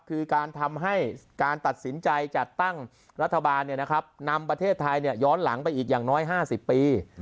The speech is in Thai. คือการทำให้การตัดสินใจจัดตั้งรัฐบาลเนี่ยนะครับนำประเทศไทยเนี่ยย้อนหลังไปอีกอย่างน้อยห้าสิบปี